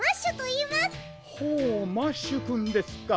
ほうマッシュくんですか。